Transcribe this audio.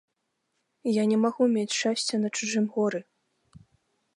Я не магу мець шчасця на чужым горы.